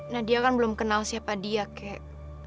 nadia kan belum kenal siapa dia kek